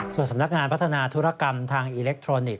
ส่วนสำนักงานพัฒนาธุรกรรมทางอิเล็กทรอนิกส